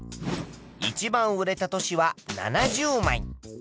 いちばん売れた年は７０枚。